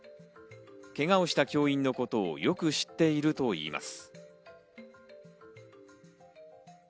けがをした教員のことをよく知っているといいます。